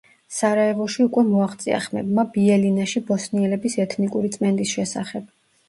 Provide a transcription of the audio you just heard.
სარაევოში უკვე მოაღწია ხმებმა ბიელინაში ბოსნიელების ეთნიკური წმენდის შესახებ.